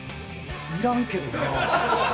いらんけどなあ。